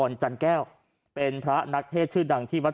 และกลับไปไปกัน